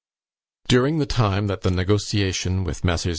During the time that the negotiation with Messrs.